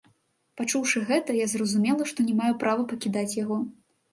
Пачуўшы гэта, я зразумела, што не маю права пакідаць яго.